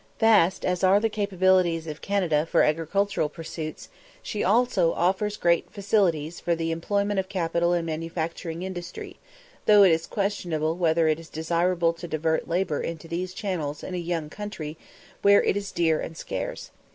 Vast as are the capabilities of Canada for agricultural pursuits, she also offers great facilities for the employment of capital in manufacturing industry, though it is questionable whether it is desirable to divert labour into these channels in a young country where it is dear and scarce.